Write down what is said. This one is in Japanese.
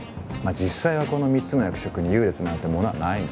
実際はこの３つの役職に優劣なんてものはないの。